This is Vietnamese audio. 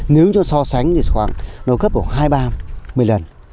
nếu cho so sánh thì khoảng nối gấp của hai ba một mươi lần